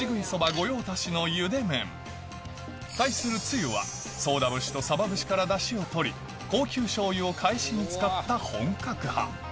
御用達の対するつゆは宗田節とサバ節からダシを取り高級しょうゆをかえしに使った本格派